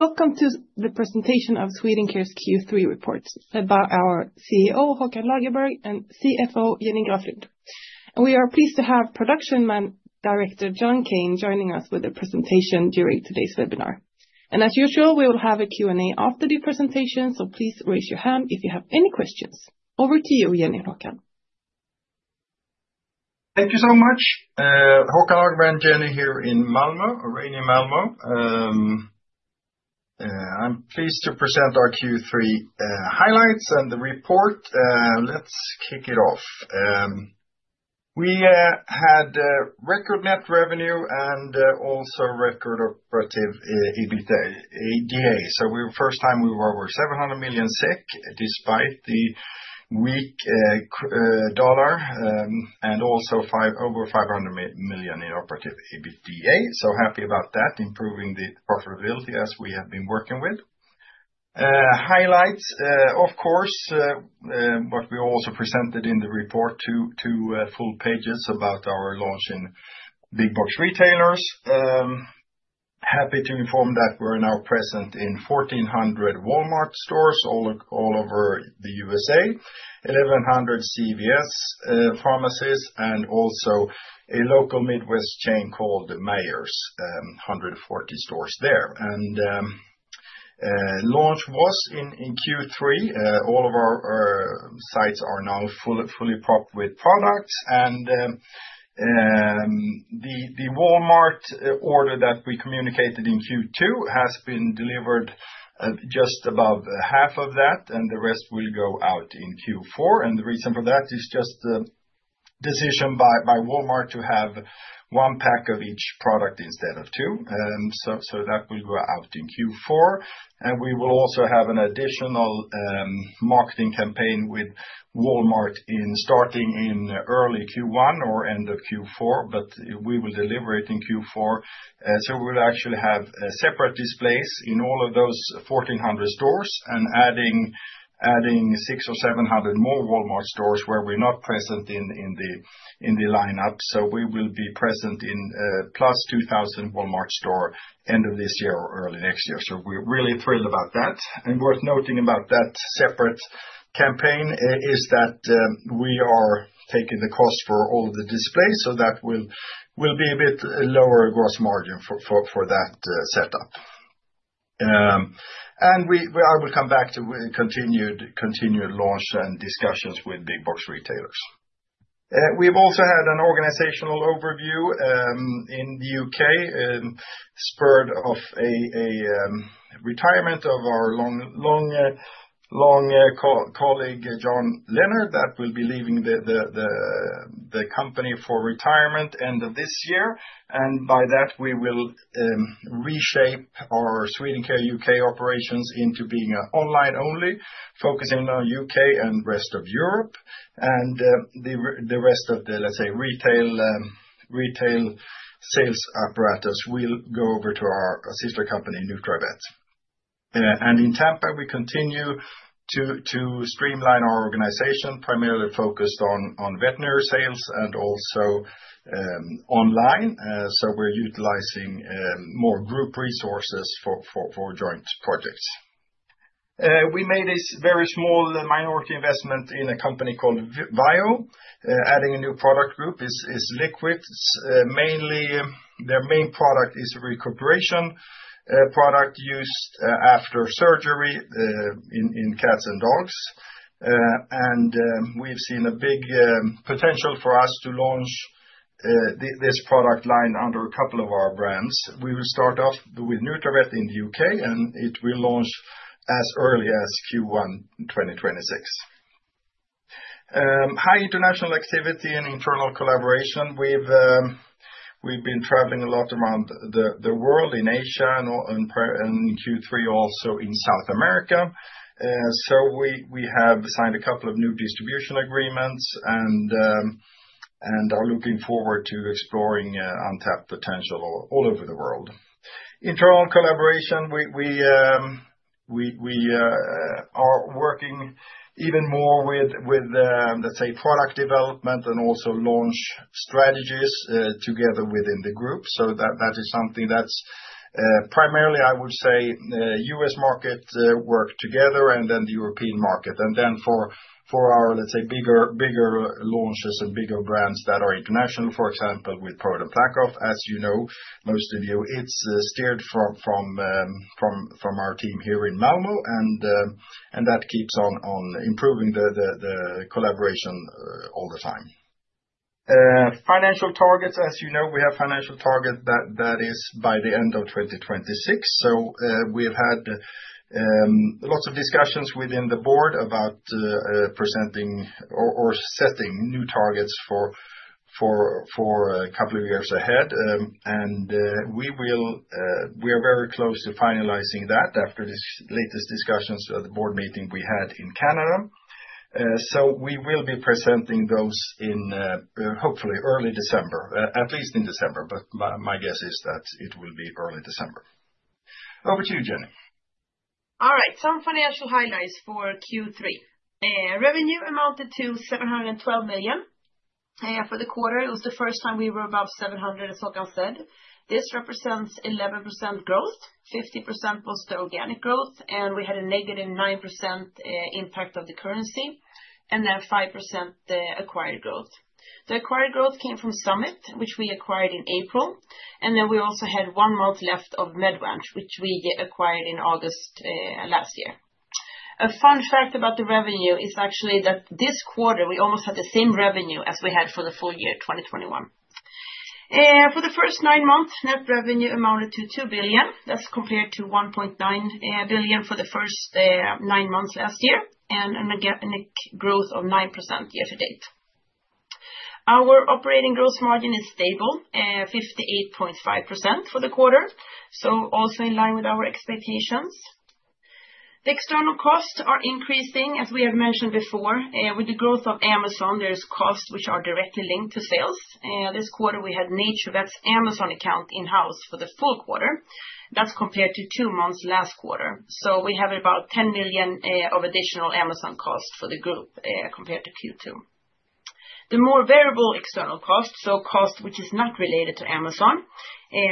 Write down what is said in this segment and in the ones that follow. Welcome to the presentation of Swedencare's Q3 reports about our CEO, Håkan Lagerberg, and CFO, Jenny Graflind. We are pleased to have Production Director, John Kane, joining us with a presentation during today's webinar. And as usual, we will have a Q&A after the presentation, so please raise your hand if you have any questions. Over to you, Jenny, Håkan. Thank you so much. Håkan Lagerberg and Jenny here in Malmö, rainy Malmö. I'm pleased to present our Q3 highlights and the report. Let's kick it off. We had record net revenue and also record operative EBITDA. So we were first time we were over 700 million despite the weak dollar and also over 500 million in operative EBITDA. So happy about that, improving the profitability as we have been working with. Highlights, of course, what we also presented in the report, two full pages about our launch in big box retailers. Happy to inform that we're now present in 1,400 Walmart stores all over the USA, 1,100 CVS pharmacies, and also a local Midwest chain called Meijer, 140 stores there. And launch was in Q3. All of our sites are now fully stocked with products. And the Walmart order that we communicated in Q2 has been delivered, just above half of that, and the rest will go out in Q4. And the reason for that is just the decision by Walmart to have one pack of each product instead of two. So that will go out in Q4. And we will also have an additional marketing campaign with Walmart starting in early Q1 or end of Q4, but we will deliver it in Q4. So we'll actually have separate displays in all of those 1,400 stores, adding six or seven hundred more Walmart stores where we're not present in the lineup. So we will be present in plus 2,000 Walmart stores end of this year or early next year. So we're really thrilled about that. And worth noting about that separate campaign is that we are taking the cost for all of the displays, so that will be a bit lower gross margin for that setup. And I will come back to continued launch and discussions with big box retailers. We've also had an organizational overview in the U.K., spurred of a retirement of our long-time colleague, John Lennard, that will be leaving the company for retirement end of this year. And by that, we will reshape our Swedencare U.K. operations into being online only, focusing on U.K. and rest of Europe. And the rest of the, let's say, retail sales apparatus will go over to our sister company, Nutravet. And in Tampa, we continue to streamline our organization, primarily focused on veterinary sales and also online. So we're utilizing more group resources for joint projects. We made a very small minority investment in a company called Viyo, adding a new product group is liquid. Mainly, their main product is a recuperation product used after surgery in cats and dogs, and we've seen a big potential for us to launch this product line under a couple of our brands. We will start off with Nutravet in the U.K., and it will launch as early as Q1 2026. High international activity and internal collaboration. We've been traveling a lot around the world in Asia and in Q3 also in South America, so we have signed a couple of new distribution agreements and are looking forward to exploring untapped potential all over the world. Internal collaboration, we are working even more with, let's say, product development and also launch strategies together within the group. So, that is something that's primarily, I would say, U.S. market work together and then the European market. And then for our bigger launches and bigger brands that are international, for example, with ProDen PlaqueOff, as you know, most of you, it's steered from our team here in Malmö. And that keeps on improving the collaboration all the time. Financial targets, as you know, we have financial targets that is by the end of 2026. So we've had lots of discussions within the board about presenting or setting new targets for a couple of years ahead. And we are very close to finalizing that after this latest discussions at the board meeting we had in Canada. So we will be presenting those in hopefully early December, at least in December, but my guess is that it will be early December. Over to you, Jenny. All right, some financial highlights for Q3. Revenue amounted to 712 million for the quarter. It was the first time we were above 700, as Håkan said. This represents 11% growth, 50% was the organic growth, and we had a negative 9% impact of the currency, and then 5% acquired growth. The acquired growth came from Summit, which we acquired in April. And then we also had one month left of MedVant, which we acquired in August last year. A fun fact about the revenue is actually that this quarter, we almost had the same revenue as we had for the full year 2021. For the first nine months, net revenue amounted to 2 billion. That's compared to 1.9 billion for the first nine months last year, and an organic growth of 9% year to date. Our operating gross margin is stable, 58.5% for the quarter, so also in line with our expectations. The external costs are increasing, as we have mentioned before. With the growth of Amazon, there are costs which are directly linked to sales. This quarter, we had NaturVet's Amazon account in-house for the full quarter. That's compared to two months last quarter, so we have about 10 million of additional Amazon costs for the group compared to Q2. The more variable external costs, so cost which is not related to Amazon,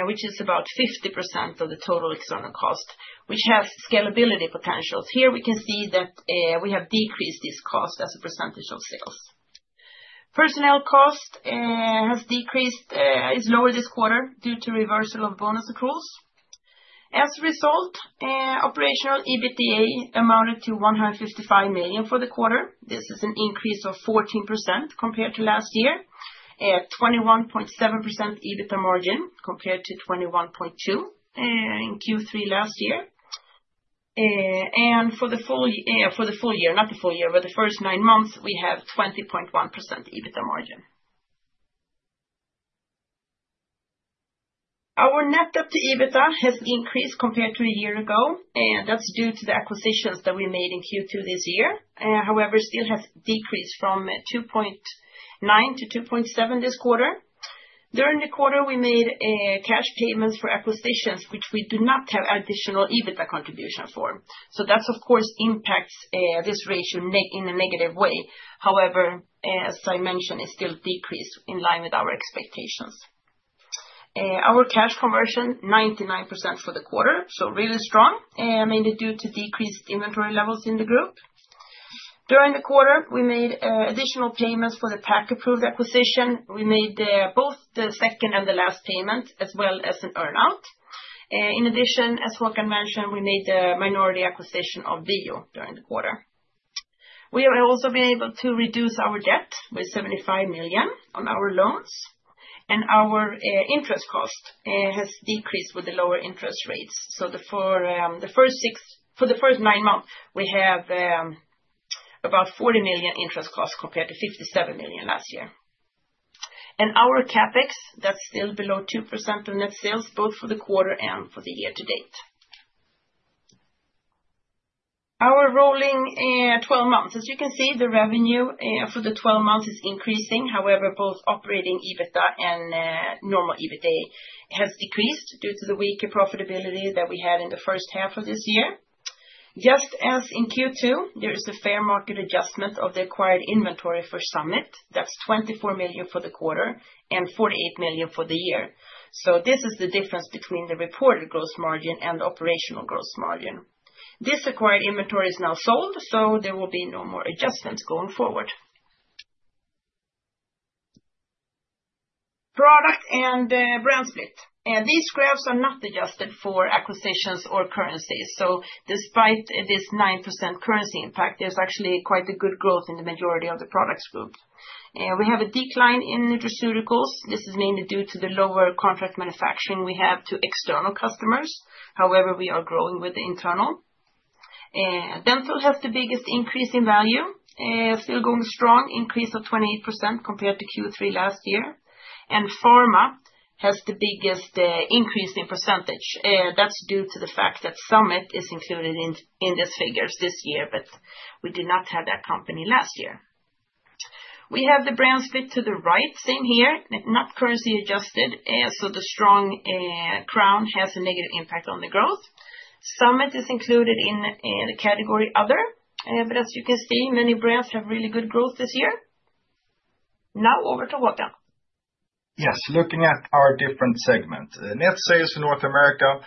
which is about 50% of the total external cost, which has scalability potentials. Here we can see that we have decreased this cost as a percentage of sales. Personnel cost has decreased, is lower this quarter due to reversal of bonus accruals. As a result, operational EBITDA amounted to 155 million for the quarter. This is an increase of 14% compared to last year, 21.7% EBITDA margin compared to 21.2% in Q3 last year. And for the full year, not the full year, but the first nine months, we have 20.1% EBITDA margin. Our net debt to EBITDA has increased compared to a year ago. That's due to the acquisitions that we made in Q2 this year. However, it still has decreased from 2.9% to 2.7% this quarter. During the quarter, we made cash payments for acquisitions, which we do not have additional EBITDA contribution for. So that's, of course, impacts this ratio in a negative way. However, as I mentioned, it still decreased in line with our expectations. Our cash conversion, 99% for the quarter, so really strong, mainly due to decreased inventory levels in the group. During the quarter, we made additional payments for the Pack Approved acquisition. We made both the second and the last payment, as well as an earnout. In addition, as Håkan mentioned, we made the minority acquisition of Viyo during the quarter. We have also been able to reduce our debt with 75 million on our loans. And our interest cost has decreased with the lower interest rates. So for the first nine months, we have about 40 million interest cost compared to 57 million last year. And our CapEx, that's still below 2% of net sales, both for the quarter and for the year to date. Our rolling 12 months, as you can see, the revenue for the 12 months is increasing. However, both operating EBITDA and normal EBITDA has decreased due to the weaker profitability that we had in the first half of this year. Just as in Q2, there is a fair market adjustment of the acquired inventory for Summit. That's 24 million for the quarter and 48 million for the year, so this is the difference between the reported gross margin and operational gross margin. This acquired inventory is now sold, so there will be no more adjustments going forward. Product and brand split. These graphs are not adjusted for acquisitions or currencies, so despite this 9% currency impact, there's actually quite a good growth in the majority of the products group. We have a decline in nutraceuticals. This is mainly due to the lower contract manufacturing we have to external customers. However, we are growing with the internal. Dental has the biggest increase in value, still going strong, increase of 28% compared to Q3 last year, and pharma has the biggest increase in percentage. That's due to the fact that Summit is included in these figures this year, but we did not have that company last year. We have the brand split to the right, same here, not currency adjusted. So the strong crown has a negative impact on the growth. Summit is included in the category other, but as you can see, many brands have really good growth this year. Now over to Håkan. Yes, looking at our different segments, net sales for North America,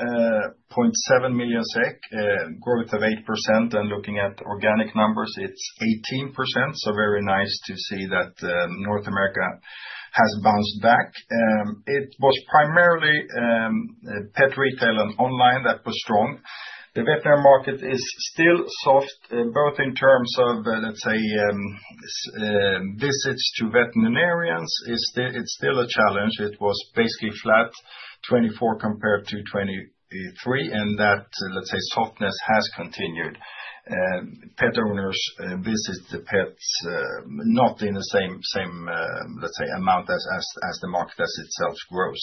421.7 million SEK, growth of 8%, and looking at organic numbers, it's 18%, so very nice to see that North America has bounced back. It was primarily pet retail and online that was strong. The veterinary market is still soft, both in terms of, let's say, visits to veterinarians, it's still a challenge. It was basically flat, 2024 compared to 2023, and that, let's say, softness has continued. Pet owners visit the vets not in the same amount as the market itself grows.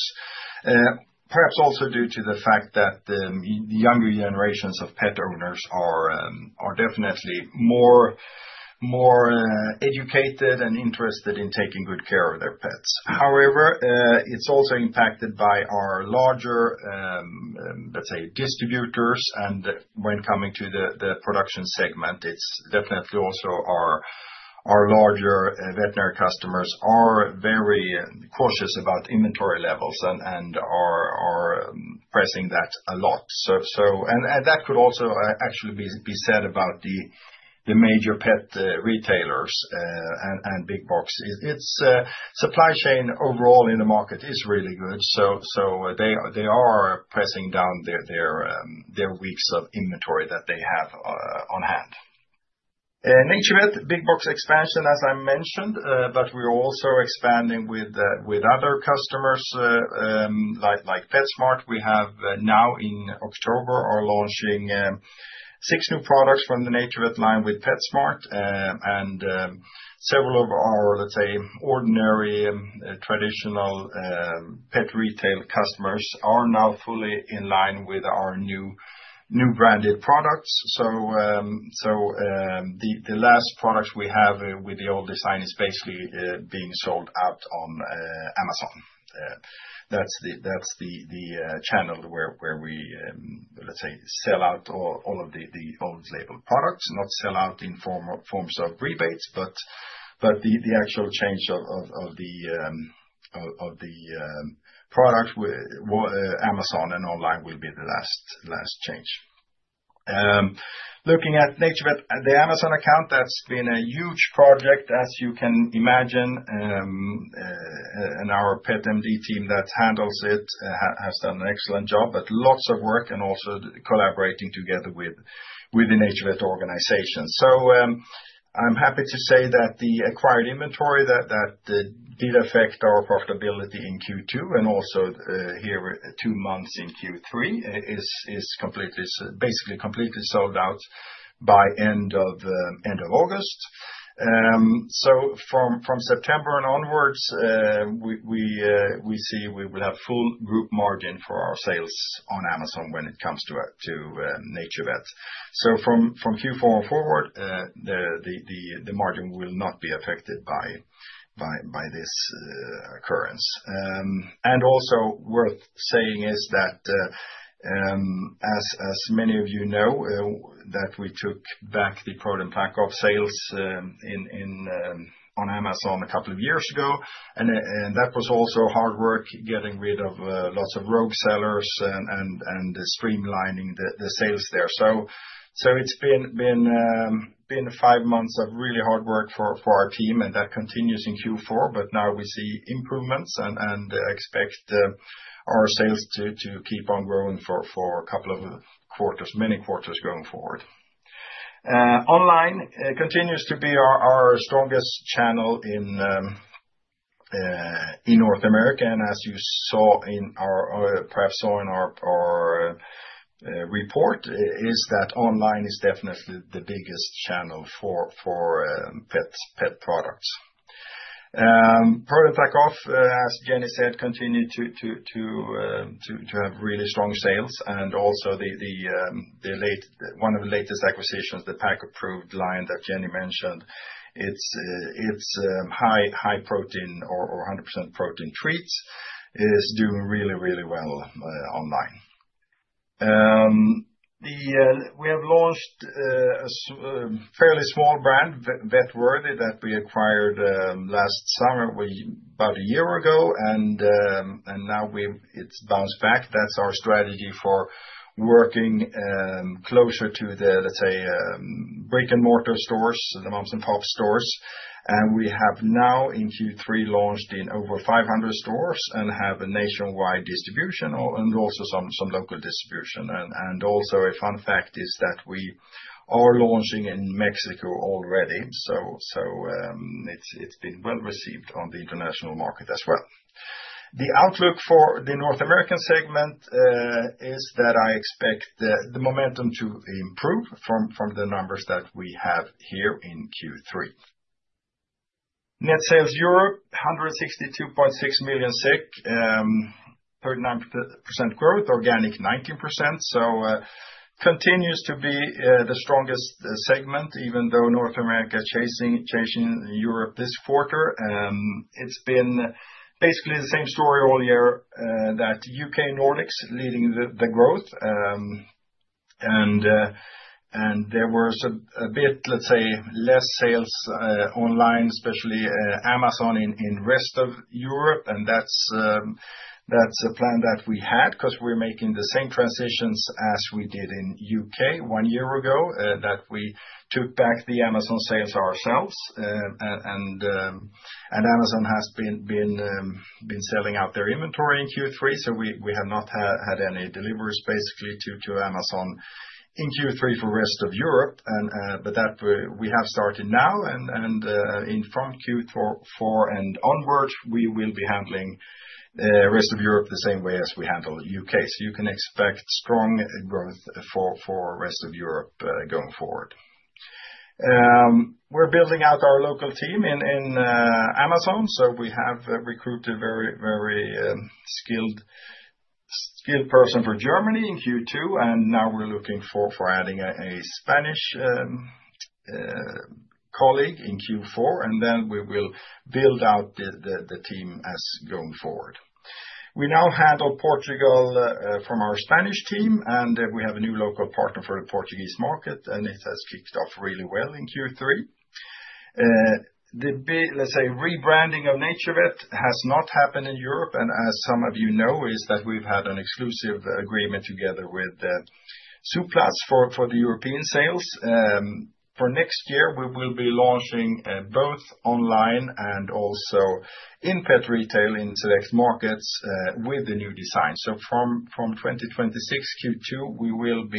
Perhaps also due to the fact that the younger generations of pet owners are definitely more educated and interested in taking good care of their pets. However, it's also impacted by our larger, let's say, distributors. And when coming to the production segment, it's definitely also our larger veterinary customers are very cautious about inventory levels and are pressing that a lot. And that could also actually be said about the major pet retailers and big box. It's supply chain overall in the market is really good. So they are pressing down their weeks of inventory that they have on hand. NaturVet, big box expansion, as I mentioned, but we're also expanding with other customers like PetSmart. We have now, in October, are launching six new products from the NaturVet line with PetSmart. And several of our, let's say, ordinary traditional pet retail customers are now fully in line with our new branded products. So the last products we have with the old design is basically being sold out on Amazon. That's the channel where we, let's say, sell out all of the old label products, not sell out in forms of rebates, but the actual change of the product with Amazon and online will be the last change. Looking at NaturVet, the Amazon account, that's been a huge project, as you can imagine. And our PetMD team that handles it has done an excellent job, but lots of work and also collaborating together with the NaturVet organization. So I'm happy to say that the acquired inventory that did affect our profitability in Q2 and also here two months in Q3 is basically completely sold out by end of August. So from September and onwards, we see we will have full group margin for our sales on Amazon when it comes to NaturVet. So from Q4 on forward, the margin will not be affected by this occurrence. And also worth saying is that, as many of you know, that we took back the ProDen PlaqueOff sales on Amazon a couple of years ago. And that was also hard work getting rid of lots of rogue sellers and streamlining the sales there. So it's been five months of really hard work for our team, and that continues in Q4, but now we see improvements and expect our sales to keep on growing for a couple of quarters, many quarters going forward. Online continues to be our strongest channel in North America. And as you saw in our, perhaps saw in our report, is that online is definitely the biggest channel for pet products. ProDen PlaqueOff, as Jenny said, continue to have really strong sales. And also one of the latest acquisitions, the Pack Approved line that Jenny mentioned, its high-protein or 100%-protein treats is doing really, really well online. We have launched a fairly small brand, Vet Worthy, that we acquired last summer, about a year ago, and now it's bounced back. That's our strategy for working closer to the, let's say, brick-and-mortar stores, the mom-and-pop stores, and we have now in Q3 launched in over 500 stores and have a nationwide distribution and also some local distribution, and also a fun fact is that we are launching in Mexico already, so it's been well received on the international market as well. The outlook for the North American segment is that I expect the momentum to improve from the numbers that we have here in Q3. Net sales Europe 162.6 million, 39% growth, organic 19%. Europe continues to be the strongest segment, even though North America is chasing Europe this quarter. It's been basically the same story all year that U.K. Nordics leading the growth. There was a bit, let's say, less sales online, especially Amazon, in the rest of Europe. That's a plan that we had because we're making the same transitions as we did in U.K. one year ago, that we took back the Amazon sales ourselves. Amazon has been selling out their inventory in Q3. We have not had any deliveries basically to Amazon in Q3 for the rest of Europe. That we have started now. From Q4 and onwards, we will be handling the rest of Europe the same way as we handle U.K. You can expect strong growth for the rest of Europe going forward. We're building out our local team in Amazon. So we have recruited a very skilled person for Germany in Q2. And now we're looking for adding a Spanish colleague in Q4. And then we will build out the team as going forward. We now handle Portugal from our Spanish team. And we have a new local partner for the Portuguese market. And it has kicked off really well in Q3. The, let's say, rebranding of NaturVet has not happened in Europe. And as some of you know, is that we've had an exclusive agreement together with Zooplus for the European sales. For next year, we will be launching both online and also in pet retail in select markets with the new design. So from 2026 Q2,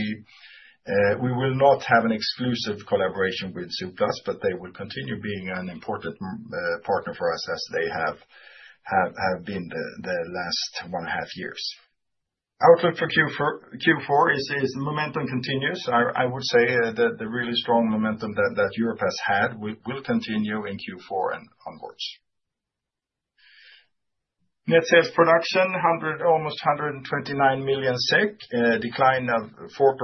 we will not have an exclusive collaboration with Zooplus, but they will continue being an important partner for us as they have been the last one and a half years. Outlook for Q4 is momentum continues. I would say that the really strong momentum that Europe has had will continue in Q4 and onwards. Net sales production almost 129 million SEK, decline of 4%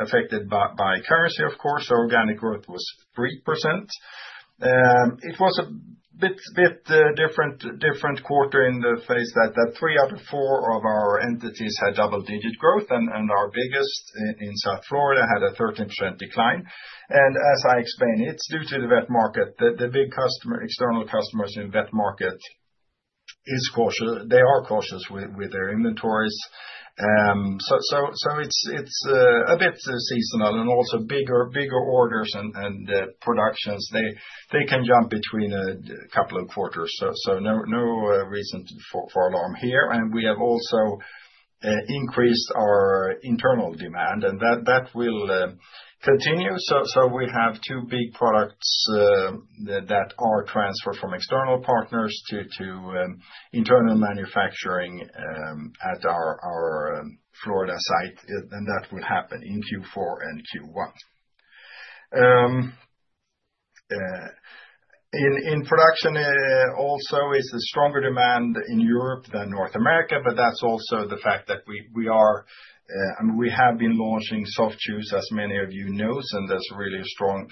affected by currency, of course. Organic growth was 3%. It was a bit different quarter in the sense that three out of four of our entities had double-digit growth, and our biggest in South Florida had a 13% decline, and as I explained, it's due to the vet market. The big customer, external customers in vet market, they are cautious with their inventories, so it's a bit seasonal and also bigger orders and productions. They can jump between a couple of quarters, so no reason for alarm here, and we have also increased our internal demand, and that will continue. So we have two big products that are transferred from external partners to internal manufacturing at our Florida site. And that will happen in Q4 and Q1. In production also, it's a stronger demand in Europe than North America. But that's also the fact that we have been launching Soft Chews, as many of you know. And there's really a strong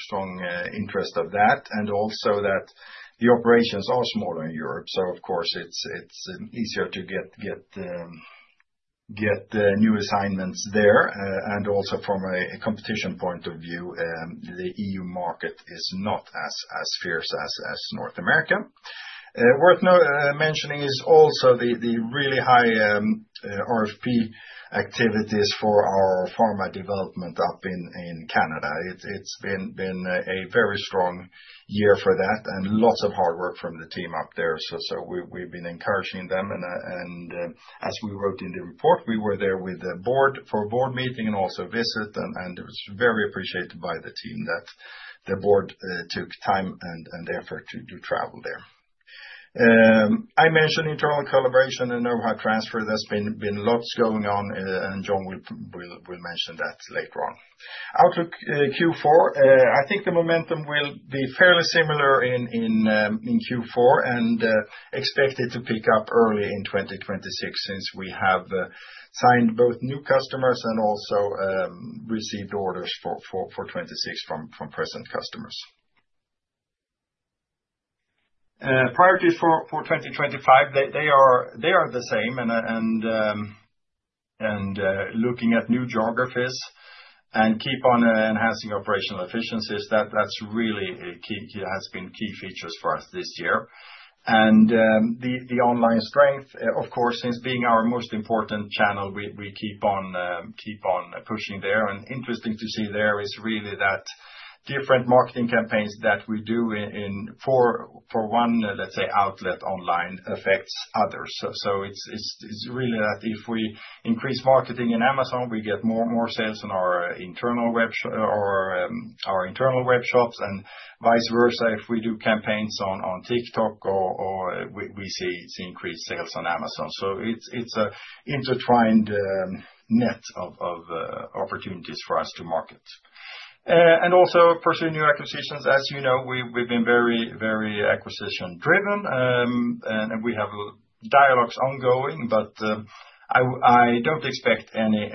interest of that. And also that the operations are smaller in Europe. So of course, it's easier to get new assignments there. And also from a competition point of view, the EU market is not as fierce as North America. Worth mentioning is also the really high RFP activities for our pharma development up in Canada. It's been a very strong year for that and lots of hard work from the team up there. So we've been encouraging them. As we wrote in the report, we were there with the board for a board meeting and also visit. It was very appreciated by the team that the board took time and effort to travel there. I mentioned internal collaboration and know-how transfer. There's been lots going on. John will mention that later on. Outlook Q4, I think the momentum will be fairly similar in Q4 and expected to pick up early in 2026 since we have signed both new customers and also received orders for 2026 from present customers. Priorities for 2025, they are the same. Looking at new geographies and keep on enhancing operational efficiencies, that's really has been key features for us this year. The online strength, of course, since being our most important channel, we keep on pushing there. And interesting to see there is really that different marketing campaigns that we do for one, let's say, outlet online affects others. So it's really that if we increase marketing in Amazon, we get more sales in our internal webshops and vice versa. If we do campaigns on TikTok, we see increased sales on Amazon. So it's an intertwined net of opportunities for us to market. And also pursue new acquisitions. As you know, we've been very, very acquisition-driven. And we have dialogues ongoing, but I don't expect any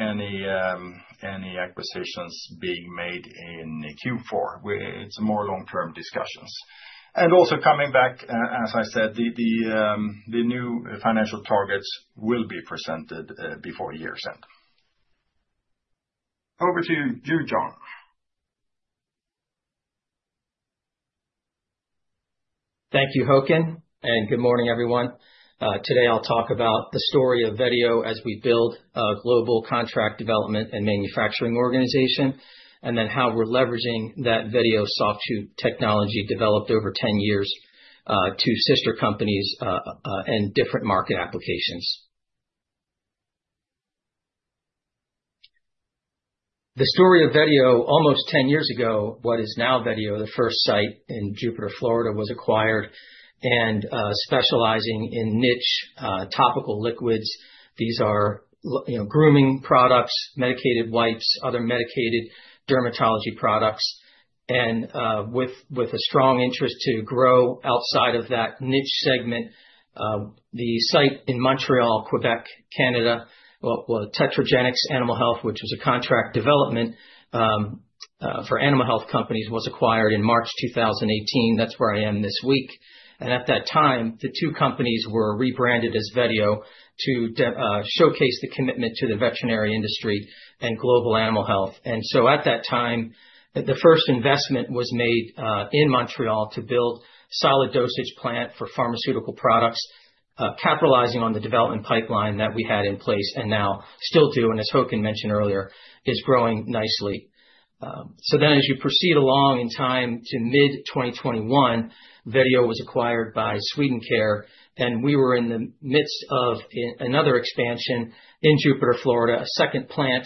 acquisitions being made in Q4. It's more long-term discussions. And also coming back, as I said, the new financial targets will be presented before year's end. Over to you, John Kane. Thank you, Håkan. And good morning, everyone. Today I'll talk about the story of Vetio as we build a global contract development and manufacturing organization, and then how we're leveraging that Vetio Soft Chews technology developed over 10 years to sister companies and different market applications. The story of Vetio almost 10 years ago, what is now Vetio, the first site in Jupiter, Florida, was acquired and specializing in niche topical liquids. These are grooming products, medicated wipes, other medicated dermatology products. And with a strong interest to grow outside of that niche segment, the site in Montreal, Quebec, Canada, well, Tetragenics Animal Health, which was a contract development for animal health companies, was acquired in March 2018. That's where I am this week. And at that time, the two companies were rebranded as Vetio to showcase the commitment to the veterinary industry and global animal health. And so at that time, the first investment was made in Montreal to build a solid dosage plant for pharmaceutical products, capitalizing on the development pipeline that we had in place and now still do, and as Håkan mentioned earlier, is growing nicely. So then as you proceed along in time to mid-2021, Vetio was acquired by Swedencare. And we were in the midst of another expansion in Jupiter, Florida, a second plant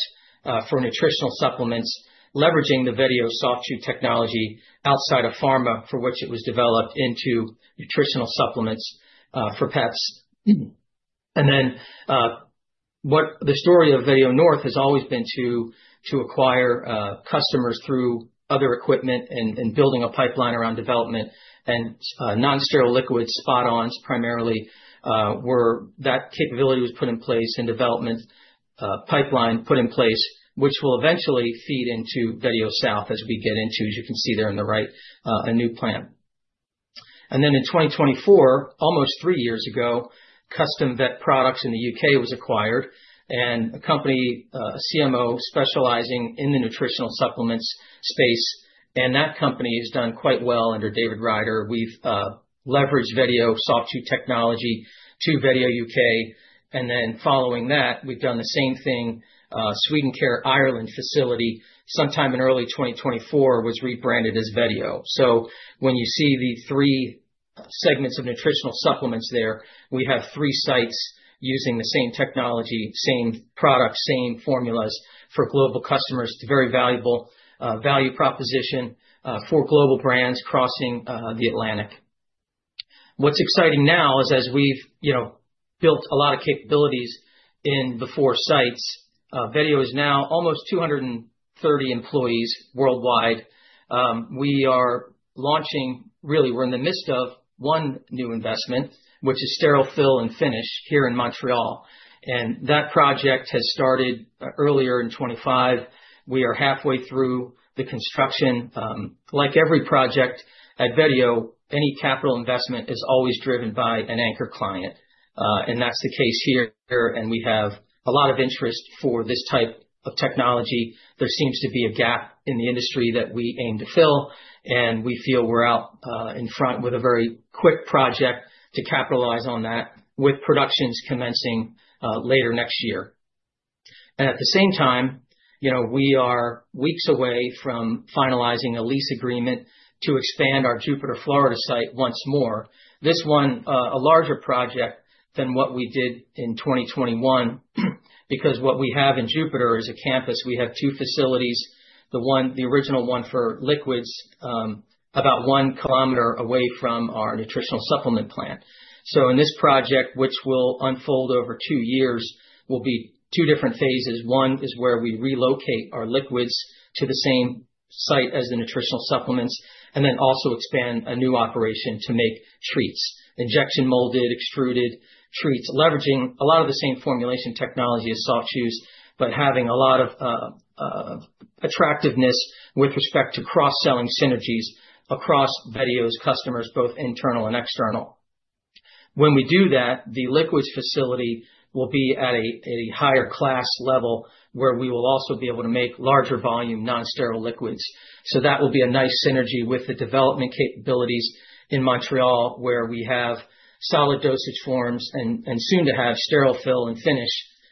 for nutritional supplements, leveraging the Vetio Soft Chews technology outside of pharma, for which it was developed into nutritional supplements for pets. And then the story of Vetio North has always been to acquire customers through other equipment and building a pipeline around development and non-sterile liquid spot-ons primarily, where that capability was put in place and development pipeline put in place, which will eventually feed into Vetio South as we get into, as you can see there on the right, a new plant. And then in 2024, almost three years ago, Custom Vet Products in the U.K. was acquired, a company, a CMO specializing in the nutritional supplements space. And that company has done quite well under David Rider. We've leveraged Vetio Soft Chews technology to Vetio U.K. And then following that, we've done the same thing. Swedencare Ireland facility, sometime in early 2024, was rebranded as Vetio. So when you see the three segments of nutritional supplements there, we have three sites using the same technology, same products, same formulas for global customers. It's a very valuable value proposition for global brands crossing the Atlantic. What's exciting now is as we've built a lot of capabilities in the four sites, Vetio is now almost 230 employees worldwide. We are launching, really, we're in the midst of one new investment, which is Sterile Fill and Finish here in Montreal. And that project has started earlier in 2025. We are halfway through the construction. Like every project at Vetio, any capital investment is always driven by an anchor client. And that's the case here. And we have a lot of interest for this type of technology. There seems to be a gap in the industry that we aim to fill. We feel we're out in front with a very quick project to capitalize on that with productions commencing later next year. At the same time, we are weeks away from finalizing a lease agreement to expand our Jupiter, Florida site once more. This one, a larger project than what we did in 2021, because what we have in Jupiter is a campus. We have two facilities, the original one for liquids, about one kilometer away from our nutritional supplement plant. In this project, which will unfold over two years, will be two different phases. One is where we relocate our liquids to the same site as the nutritional supplements, and then also expand a new operation to make treats, injection molded, extruded treats, leveraging a lot of the same formulation technology as soft chews, but having a lot of attractiveness with respect to cross-selling synergies across Vetio's customers, both internal and external. When we do that, the liquids facility will be at a higher class level where we will also be able to make larger volume non-sterile liquids. So that will be a nice synergy with the development capabilities in Montreal, where we have solid dosage forms and soon to have Sterile Fill and Finish,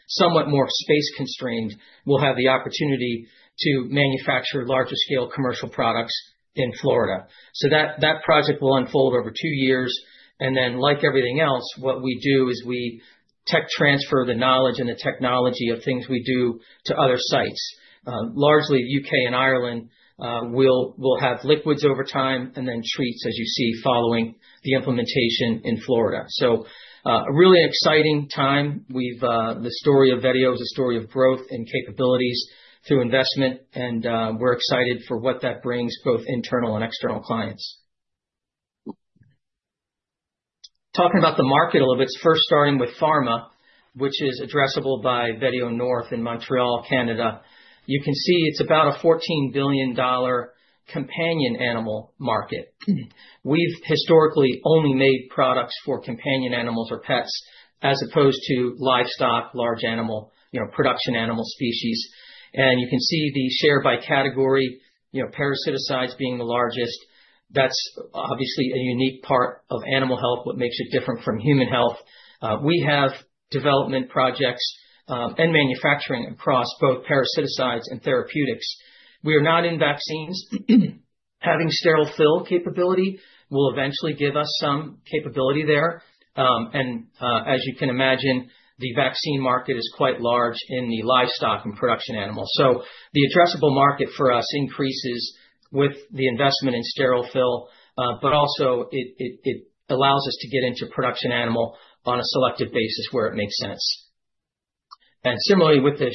somewhat more space constrained, will have the opportunity to manufacture larger scale commercial products in Florida. So that project will unfold over two years. And then, like everything else, what we do is we tech transfer the knowledge and the technology of things we do to other sites, largely the U.K. and Ireland will have liquids over time and then treats, as you see, following the implementation in Florida. So a really exciting time. The story of Vetio is a story of growth and capabilities through investment. And we're excited for what that brings both internal and external clients. Talking about the market a little bit, first starting with pharma, which is addressable by Vetio North in Montreal, Canada. You can see it's about a $14 billion companion animal market. We've historically only made products for companion animals or pets as opposed to livestock, large animal, production animal species. And you can see the share by category, parasiticides being the largest. That's obviously a unique part of animal health, what makes it different from human health. We have development projects and manufacturing across both parasiticides and therapeutics. We are not in vaccines. Having sterile fill capability will eventually give us some capability there. And as you can imagine, the vaccine market is quite large in the livestock and production animals. So the addressable market for us increases with the investment in sterile fill, but also it allows us to get into production animal on a selective basis where it makes sense. And similarly, with the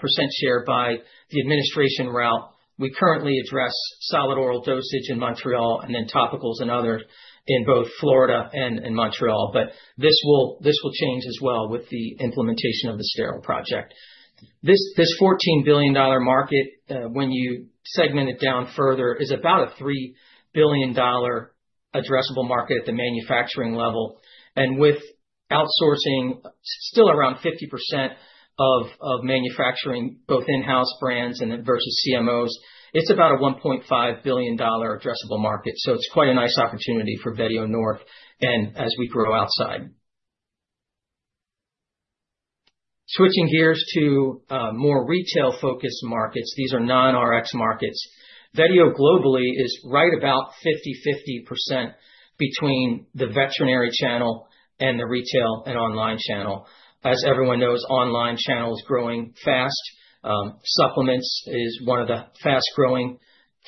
percent share by the administration route, we currently address solid oral dosage in Montreal and then topicals and other in both Florida and Montreal. But this will change as well with the implementation of the sterile project. This $14 billion market, when you segment it down further, is about a $3 billion addressable market at the manufacturing level, and with outsourcing, still around 50% of manufacturing, both in-house brands and versus CMOs, it's about a $1.5 billion addressable market, so it's quite a nice opportunity for Vetio North and as we grow outside. Switching gears to more retail-focused markets, these are non-RX markets. Vetio globally is right about 50/50% between the veterinary channel and the retail and online channel. As everyone knows, online channel is growing fast. Supplements is one of the fast-growing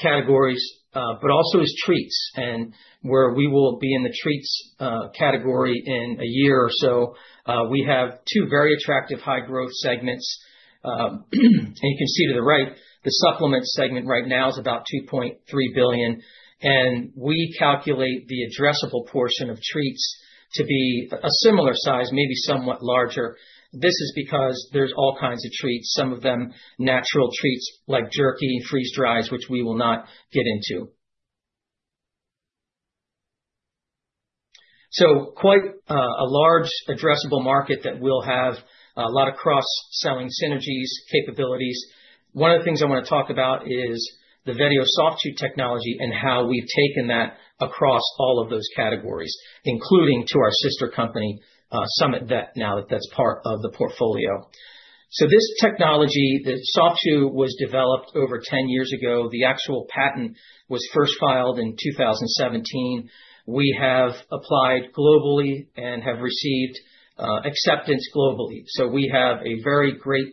categories, but also is treats, and where we will be in the treats category in a year or so, we have two very attractive high-growth segments, and you can see to the right, the supplement segment right now is about $2.3 billion. And we calculate the addressable portion of treats to be a similar size, maybe somewhat larger. This is because there's all kinds of treats, some of them natural treats like jerky, freeze-dries, which we will not get into. So quite a large addressable market that will have a lot of cross-selling synergies, capabilities. One of the things I want to talk about is the Vetio Soft Chews technology and how we've taken that across all of those categories, including to our sister company, Summit Vet, now that that's part of the portfolio. So this technology, the Soft Chews, was developed over 10 years ago. The actual patent was first filed in 2017. We have applied globally and have received acceptance globally. So we have a very great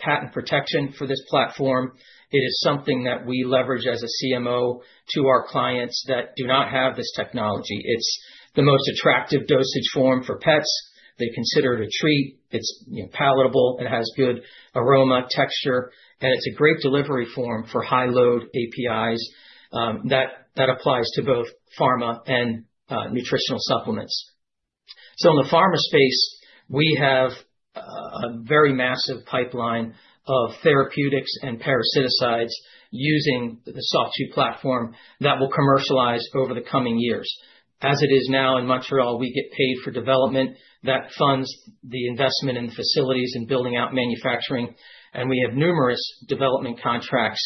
patent protection for this platform. It is something that we leverage as a CMO to our clients that do not have this technology. It's the most attractive dosage form for pets. They consider it a treat. It's palatable. It has good aroma, texture, and it's a great delivery form for high-load APIs that applies to both pharma and nutritional supplements, so in the pharma space, we have a very massive pipeline of therapeutics and parasiticides using the Soft Chews platform that will commercialize over the coming years. As it is now in Montreal, we get paid for development that funds the investment in facilities and building out manufacturing, and we have numerous development contracts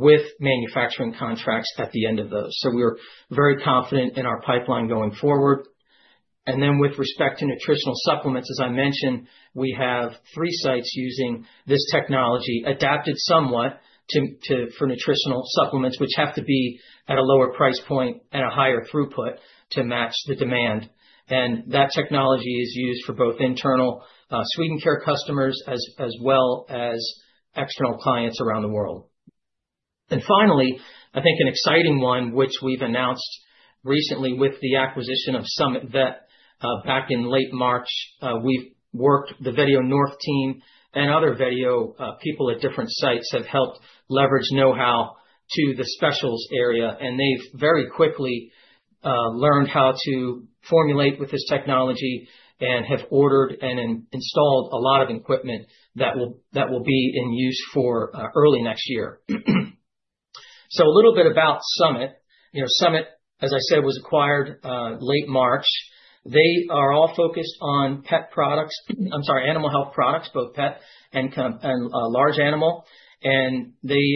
with manufacturing contracts at the end of those, so we're very confident in our pipeline going forward, and then with respect to nutritional supplements, as I mentioned, we have three sites using this technology, adapted somewhat for nutritional supplements, which have to be at a lower price point and a higher throughput to match the demand. That technology is used for both internal Swedencare customers as well as external clients around the world. Finally, I think an exciting one, which we've announced recently with the acquisition of Summit Vet back in late March. We've worked the Vetio North team and other Vetio people at different sites have helped leverage know-how to the specials area. They've very quickly learned how to formulate with this technology and have ordered and installed a lot of equipment that will be in use for early next year. A little bit about Summit. Summit, as I said, was acquired late March. They are all focused on pet products. I'm sorry, animal health products, both pet and large animal. They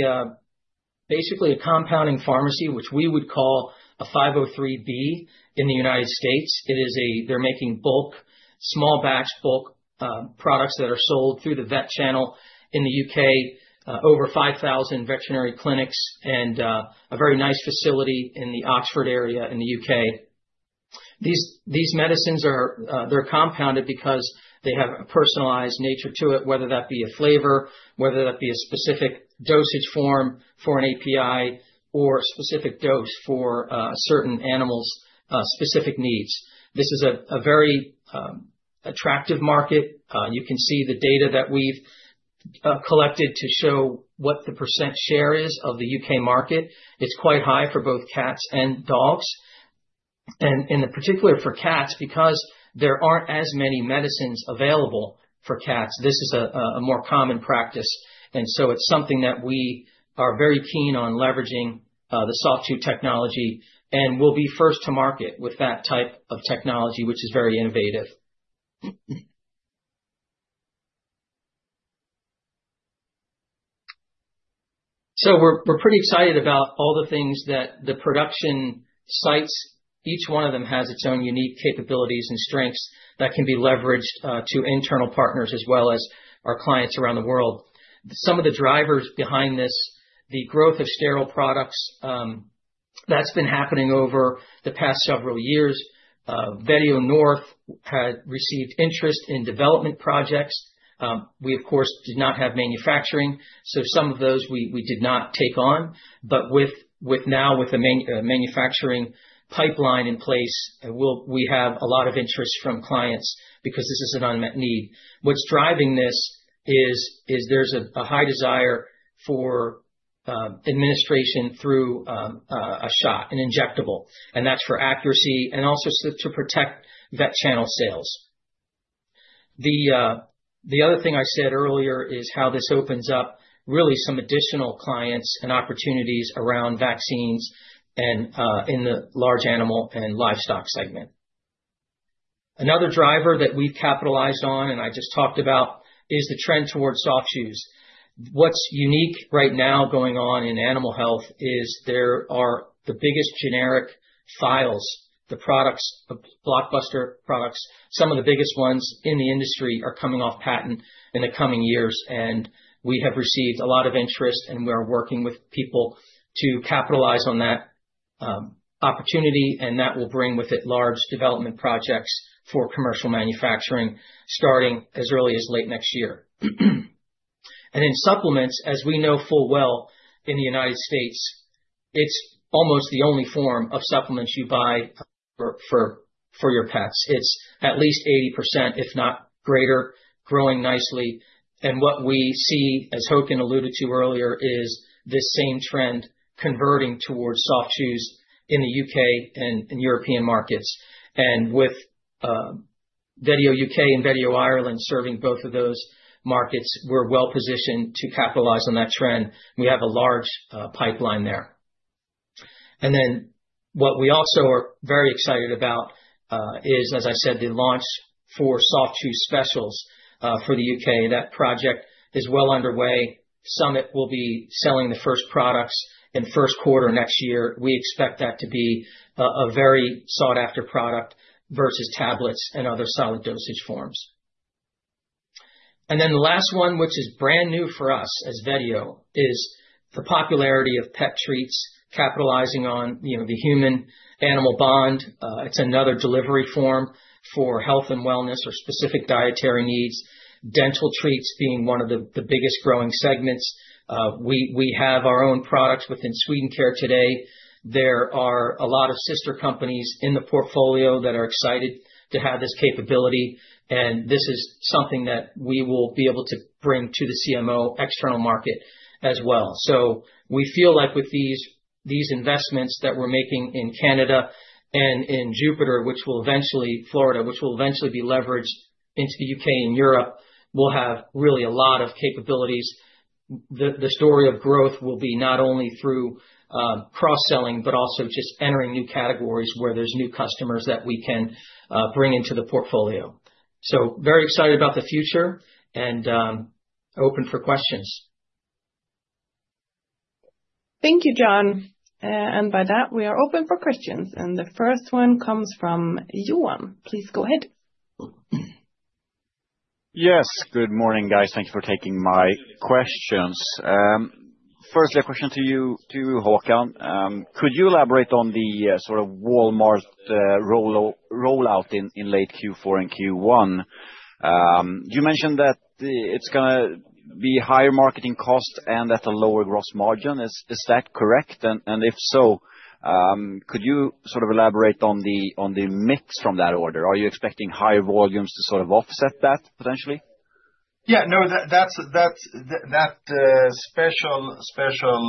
basically are a compounding pharmacy, which we would call a 503(b) in the United States. They're making bulk, small batch bulk products that are sold through the vet channel in the U.K., over 5,000 veterinary clinics, and a very nice facility in the Oxford area in the U.K. These medicines, they're compounded because they have a personalized nature to it, whether that be a flavor, whether that be a specific dosage form for an API, or a specific dose for certain animals' specific needs. This is a very attractive market. You can see the data that we've collected to show what the % share is of the U.K. market. It's quite high for both cats and dogs. In particular for cats, because there aren't as many medicines available for cats, this is a more common practice. It's something that we are very keen on leveraging the Soft Chews technology and will be first to market with that type of technology, which is very innovative. We're pretty excited about all the things that the production sites, each one of them has its own unique capabilities and strengths that can be leveraged to internal partners as well as our clients around the world. Some of the drivers behind this, the growth of sterile products that's been happening over the past several years. Vetio North had received interest in development projects. We, of course, did not have manufacturing. Some of those we did not take on. But now with a manufacturing pipeline in place, we have a lot of interest from clients because this is an unmet need. What's driving this is there's a high desire for administration through a shot, an injectable. That's for accuracy and also to protect vet channel sales. The other thing I said earlier is how this opens up really some additional clients and opportunities around vaccines and in the large animal and livestock segment. Another driver that we've capitalized on, and I just talked about, is the trend towards Soft Chews. What's unique right now going on in animal health is there are the biggest generic files, the blockbuster products. Some of the biggest ones in the industry are coming off patent in the coming years. We have received a lot of interest, and we are working with people to capitalize on that opportunity. That will bring with it large development projects for commercial manufacturing starting as early as late next year. And in supplements, as we know full well in the United States, it's almost the only form of supplements you buy for your pets. It's at least 80%, if not greater, growing nicely. And what we see, as Håkan alluded to earlier, is this same trend converting towards soft chews in the U.K. and European markets. And with Vetio U.K. and Vetio Ireland serving both of those markets, we're well positioned to capitalize on that trend. We have a large pipeline there. And then what we also are very excited about is, as I said, the launch for soft chew specials for the U.K.. That project is well underway. Summit will be selling the first products in first quarter next year. We expect that to be a very sought-after product versus tablets and other solid dosage forms. And then the last one, which is brand new for us as Vetio, is the popularity of pet treats, capitalizing on the human-animal bond. It's another delivery form for health and wellness or specific dietary needs, dental treats being one of the biggest growing segments. We have our own products within Swedencare today. There are a lot of sister companies in the portfolio that are excited to have this capability. And this is something that we will be able to bring to the CMO external market as well. So we feel like with these investments that we're making in Canada and in Jupiter, which will eventually Florida, which will eventually be leveraged into the U.K. and Europe, we'll have really a lot of capabilities. The story of growth will be not only through cross-selling, but also just entering new categories where there's new customers that we can bring into the portfolio. So very excited about the future and open for questions. Thank you, John. And by that, we are open for questions. And the first one comes from Johan. Please go ahead. Yes. Good morning, guys. Thank you for taking my questions. Firstly, a question to you, Håkan. Could you elaborate on the sort of Walmart rollout in late Q4 and Q1? You mentioned that it's going to be higher marketing cost and at a lower gross margin. Is that correct? And if so, could you sort of elaborate on the mix from that order? Are you expecting higher volumes to sort of offset that potentially? Yeah. No, that special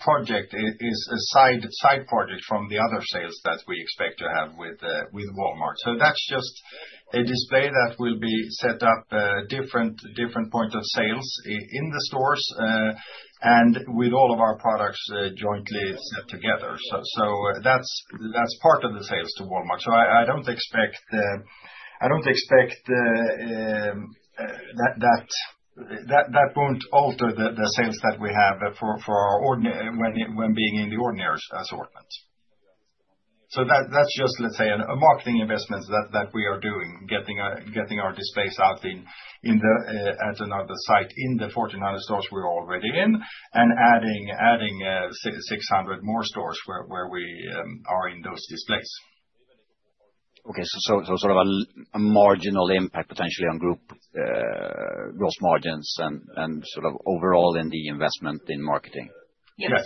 project is a side project from the other sales that we expect to have with Walmart. So that's just a display that will be set up at different points of sales in the stores and with all of our products jointly set together. So that's part of the sales to Walmart. So I don't expect that that won't alter the sales that we have when being in the ordinary assortment. So that's just, let's say, a marketing investment that we are doing, getting our displays out at another site in the 1,400 stores we're already in and adding 600 more stores where we are in those displays. Okay. So sort of a marginal impact potentially on gross margins and sort of overall in the investment in marketing. Yes.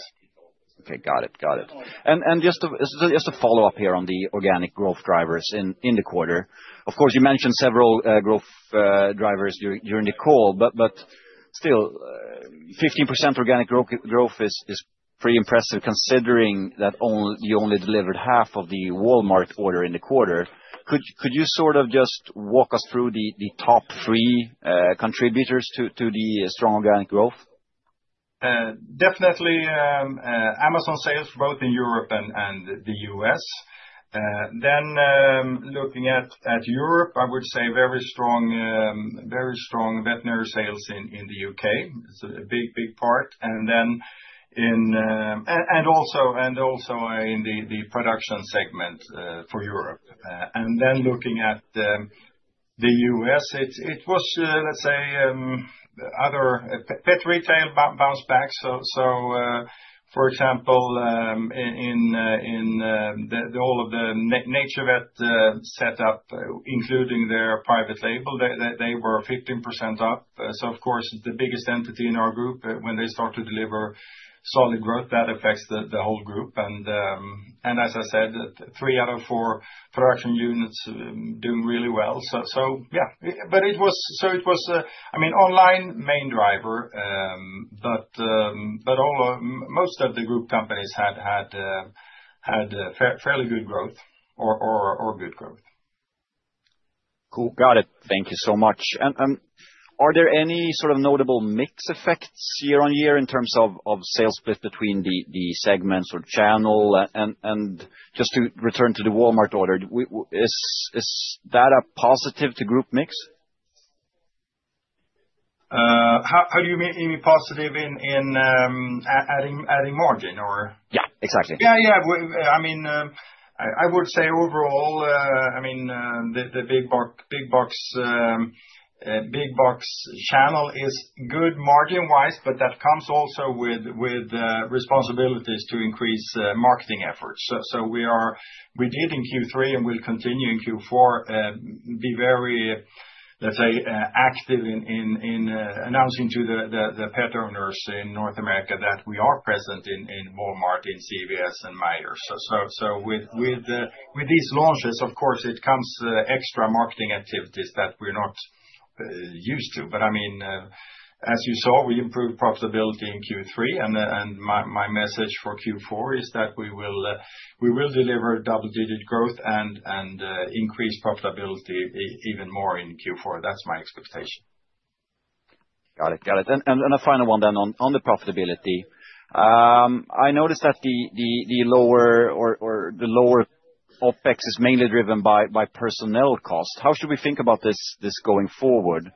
Okay. Got it. And just to follow up here on the organic growth drivers in the quarter, of course, you mentioned several growth drivers during the call, but still, 15% organic growth is pretty impressive considering that you only delivered half of the Walmart order in the quarter. Could you sort of just walk us through the top three contributors to the strong organic growth? Definitely Amazon sales both in Europe and the U.S., then looking at Europe, I would say very strong veterinary sales in the U.K. It's a big, big part, and also in the production segment for Europe, and then looking at the U.S., it was, let's say, other pet retail bounced back, so for example, in all of the NaturVet setup, including their private label, they were 15% up. So of course, the biggest entity in our group, when they start to deliver solid growth, that affects the whole group. And as I said, three out of four production units doing really well. So yeah. But it was, I mean, online main driver, but most of the group companies had fairly good growth or good growth. Cool. Got it. Thank you so much. And are there any sort of notable mix effects year on year in terms of sales split between the segments or channel? And just to return to the Walmart order, is that a positive to group mix? How do you mean positive in adding margin or? Yeah, exactly. Yeah, yeah. I mean, I would say overall the big box channel is good margin-wise, but that comes also with responsibilities to increase marketing efforts. So we did in Q3 and will continue in Q4 be very, let's say, active in announcing to the pet owners in North America that we are present in Walmart, in CVS, and Meijer. So with these launches, of course, it comes extra marketing activities that we're not used to. But I mean, as you saw, we improved profitability in Q3. And my message for Q4 is that we will deliver double-digit growth and increase profitability even more in Q4. That's my expectation. Got it. And a final one then on the profitability. I noticed that the lower OpEx is mainly driven by personnel cost. How should we think about this going forward?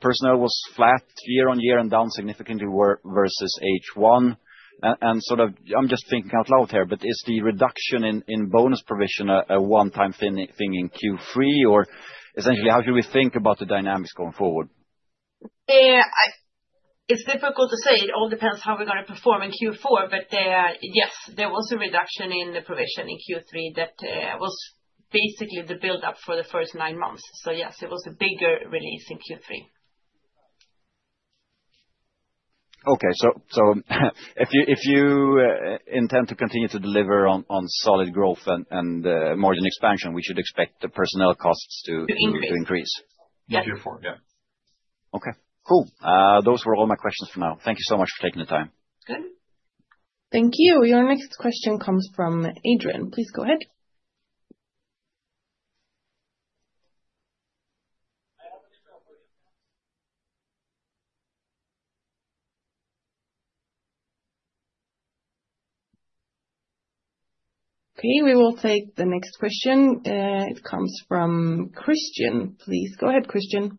Personnel was flat year on year and down significantly versus H1. And sort of I'm just thinking out loud here, but is the reduction in bonus provision a one-time thing in Q3? Or essentially, how should we think about the dynamics going forward? It's difficult to say. It all depends how we're going to perform in Q4. But yes, there was a reduction in the provision in Q3 that was basically the build-up for the first nine months. So yes, it was a bigger release in Q3. Okay. So if you intend to continue to deliver on solid growth and margin expansion, we should expect the personnel costs to increase. To increase. Yeah. Q4. Yeah. Okay. Cool. Those were all my questions for now. Thank you so much for taking the time. Thank you. Your next question comes from Adrian. Please go ahead. Okay. We will take the next question. It comes from Christian. Please go ahead, Christian.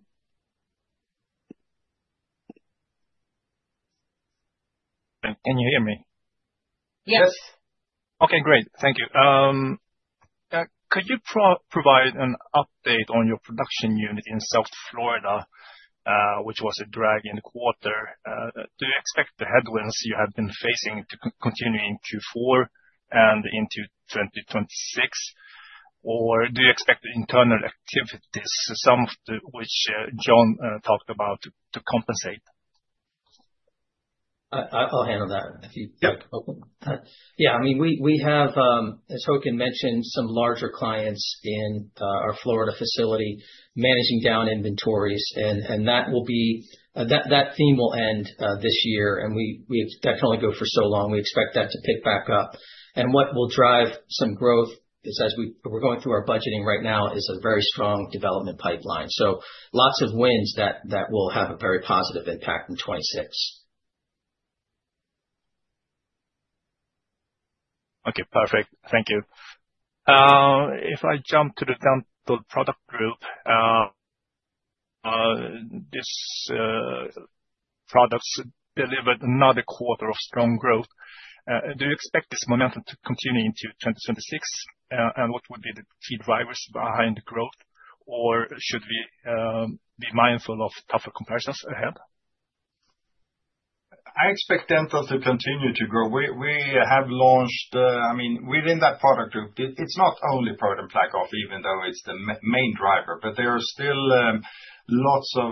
Can you hear me? Yes. Yes. Okay. Great. Thank you. Could you provide an update on your production unit in South Florida, which was a drag in the quarter? Do you expect the headwinds you have been facing to continue in Q4 and into 2026? Or do you expect the internal activities, some of which John talked about, to compensate? I'll handle that if you'd like. I mean, we have, as Håkan mentioned, some larger clients in our Florida facility managing down inventories. And that theme will end this year. And we definitely go for so long. We expect that to pick back up. And what will drive some growth is as we're going through our budgeting right now is a very strong development pipeline. So lots of wins that will have a very positive impact in 2026. Okay. Perfect. Thank you. If I jump to the dental product group, this product delivered another quarter of strong growth. Do you expect this momentum to continue into 2026? And what would be the key drivers behind the growth? Or should we be mindful of tougher comparisons ahead? I expect dental to continue to grow. We have launched, I mean, within that product group, it's not only ProDen PlaqueOff, even though it's the main driver, but there are still lots of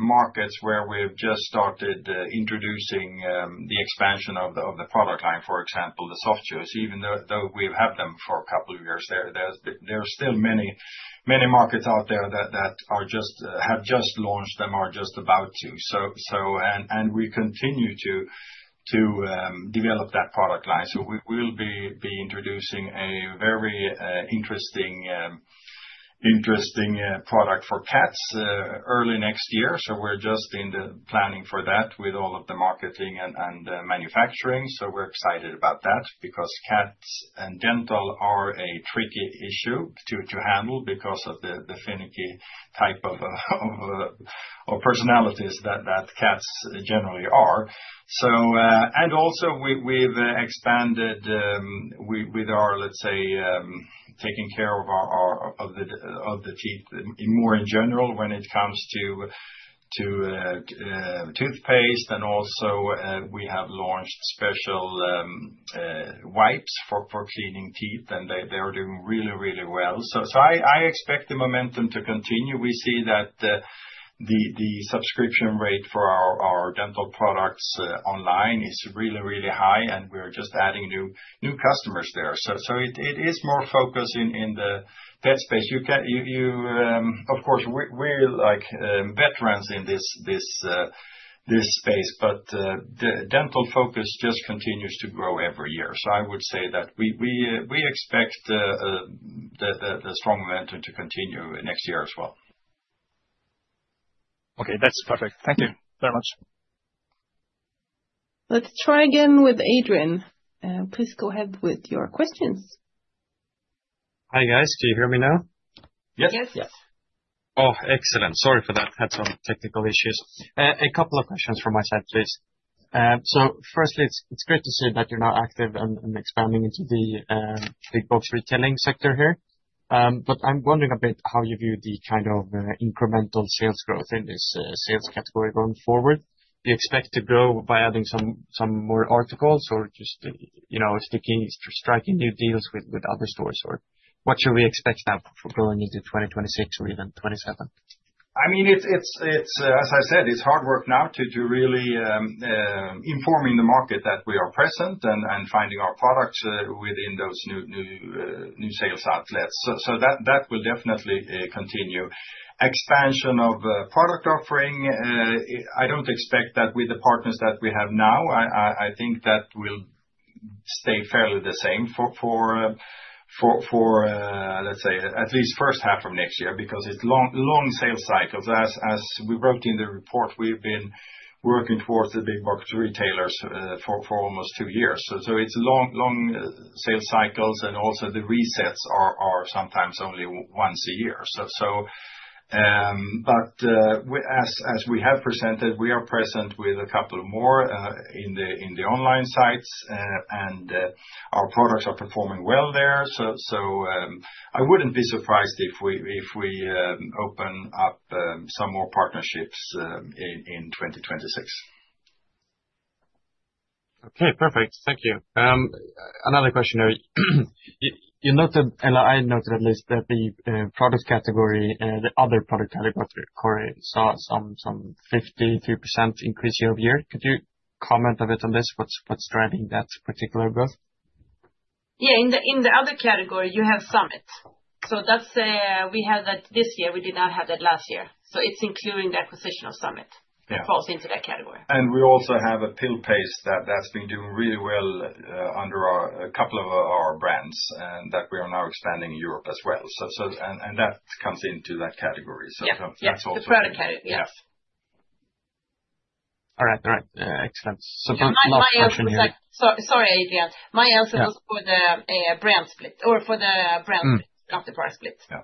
markets where we've just started introducing the expansion of the product line, for example, the Soft Chews, even though we've had them for a couple of years. There are still many markets out there that have just launched them or just about to. We continue to develop that product line, so we will be introducing a very interesting product for cats early next year. We're just in the planning for that with all of the marketing and manufacturing. We're excited about that because cats and dental are a tricky issue to handle because of the finicky type of personalities that cats generally are. We've expanded with our, let's say, taking care of the teeth more in general when it comes to toothpaste. We have also launched special wipes for cleaning teeth. They are doing really, really well. I expect the momentum to continue. We see that the subscription rate for our dental products online is really, really high. We're just adding new customers there. It is more focused in the pet space. Of course, we're like veterans in this space, but the dental focus just continues to grow every year. I would say that we expect the strong momentum to continue next year as well. Okay. That's perfect. Thank you very much. Let's try again with Adrian. Please go ahead with your questions. Hi, guys. Do you hear me now? Yes. Yes. Yes. Oh, excellent. Sorry for that. Had some technical issues. A couple of questions from my side, please. So firstly, it's great to see that you're now active and expanding into the big box retailing sector here. But I'm wondering a bit how you view the kind of incremental sales growth in this sales category going forward. Do you expect to grow by adding some more articles or just striking new deals with other stores? Or what should we expect now for going into 2026 or even 2027? I mean, as I said, it's hard work now to really inform the market that we are present and finding our products within those new sales outlets. So that will definitely continue. Expansion of product offering, I don't expect that with the partners that we have now. I think that will stay fairly the same for, let's say, at least first half of next year because it's long sales cycles. As we wrote in the report, we've been working towards the big box retailers for almost two years. So it's long sales cycles. And also, the resets are sometimes only once a year. But as we have presented, we are present with a couple more in the online sites. And our products are performing well there. So I wouldn't be surprised if we open up some more partnerships in 2026. Okay. Perfect. Thank you. Another question here. You noted, and I noted at least, that the product category, the other product category, saw some 53% increase year over year. Could you comment a bit on this? What's driving that particular growth? Yeah. In the other category, you have Summit. So we had that this year. We did not have that last year. So it's including the acquisition of Summit that falls into that category. And we also have a pill paste that's been doing really well under a couple of our brands that we are now expanding in Europe as well. And that comes into that category. So that's also. Yeah. The product category. Yes. All right. Excellent. Sorry, Adrian. My answer was for the brand split or for the brand split, not the product split. Yeah.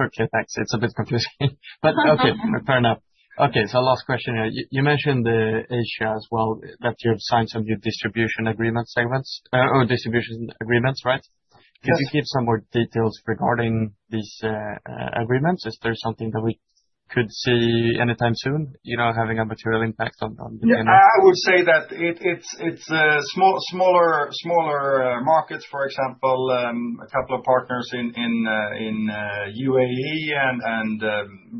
Okay. Thanks. It's a bit confusing. But okay. Fair enough. Okay. So last question here. You mentioned Asia as well, that you've signed some new distribution agreement segments or distribution agreements, right? Could you give some more details regarding these agreements? Is there something that we could see anytime soon having a material impact on the main market? I would say that it's smaller markets, for example, a couple of partners in UAE and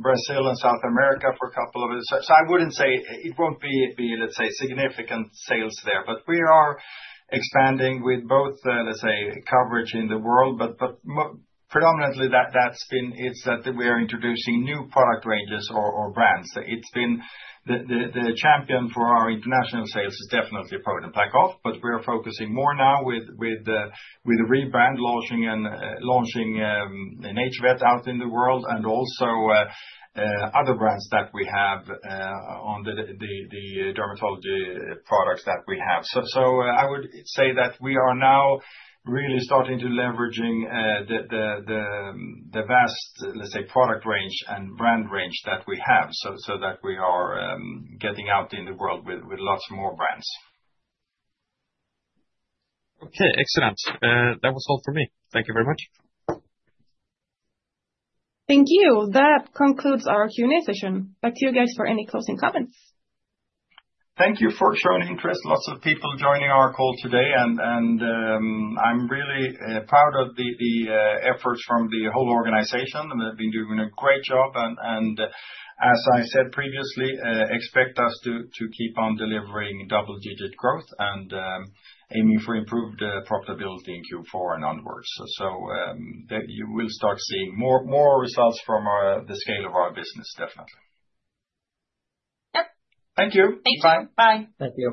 Brazil and South America for a couple of it, so I wouldn't say it won't be, let's say, significant sales there, but we are expanding with both, let's say, coverage in the world, but predominantly, that's been it's that we are introducing new product ranges or brands. The champion for our international sales is definitely ProDen PlaqueOff, but we are focusing more now with the rebrand launching in NaturVet out in the world and also other brands that we have on the dermatology products that we have, so I would say that we are now really starting to leverage the vast, let's say, product range and brand range that we have so that we are getting out in the world with lots more brands. Okay. Excellent. That was all for me. Thank you very much. Thank you. That concludes our Q&A session. Back to you guys for any closing comments. Thank you for showing interest. Lots of people joining our call today. And I'm really proud of the efforts from the whole organization. They've been doing a great job. And as I said previously, expect us to keep on delivering double-digit growth and aiming for improved profitability in Q4 and onwards. So you will start seeing more results from the scale of our business, definitely. Yep. Thank you. Thank you. Bye. Bye. Thank you.